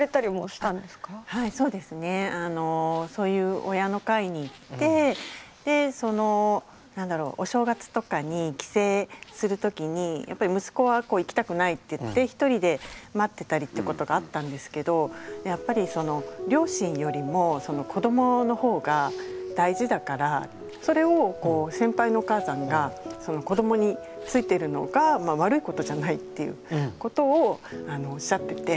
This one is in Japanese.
あのそういう親の会に行ってでその何だろうお正月とかに帰省する時にやっぱり息子はこう行きたくないって言って一人で待ってたりってことがあったんですけどやっぱり両親よりも子どものほうが大事だからそれをこう先輩のお母さんが子どもについてるのが悪いことじゃないっていうことをおっしゃってて。